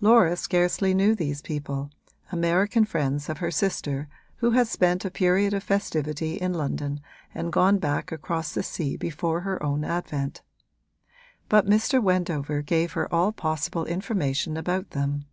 Laura scarcely knew these people, American friends of her sister who had spent a period of festivity in London and gone back across the sea before her own advent; but Mr. Wendover gave her all possible information about them.